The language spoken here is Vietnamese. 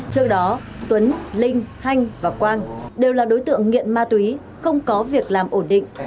trước đó tuấn linh hanh và quang đều là đối tượng nghiện ma túy không có việc làm ổn định